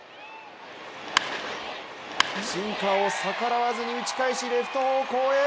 シンカーを逆らわずに打ち返しレフト方向へ！